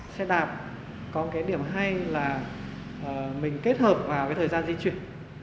xe đạp có cái điểm hay là mình kết hợp vào cái thời gian di chuyển